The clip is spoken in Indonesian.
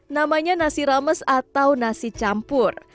namanya nasi rames atau nasi campur